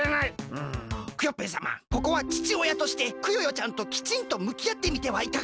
うんクヨッペンさまここはちちおやとしてクヨヨちゃんときちんとむきあってみてはいかがでしょうか？